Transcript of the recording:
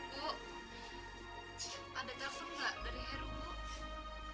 bu ada telepon gak dari heru bu